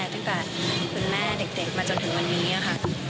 ตั้งแต่คุณแม่เด็กมาจนถึงวันนี้นี้ค่ะ